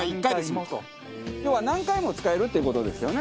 要は何回も使えるっていう事ですよね。